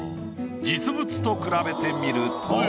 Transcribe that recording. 実物と比べてみると。